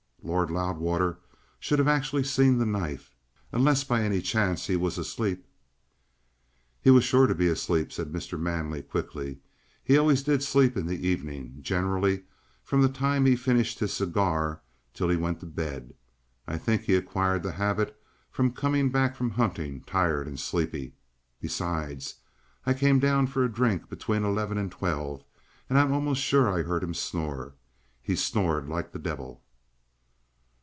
Lord Loudwater should have actually seen the knife unless by any chance he was asleep." "He was sure to be asleep," said Mr. Manley quickly. "He always did sleep in the evening generally from the time he finished his cigar till he went to bed. I think he acquired the habit from coming back from hunting, tired and sleepy. Besides, I came down for a drink between eleven and twelve, and I'm almost sure I heard him snore. He snored like the devil."